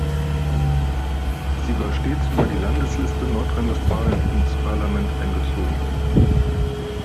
Sie war stets über die Landesliste Nordrhein-Westfalen ins Parlament eingezogen.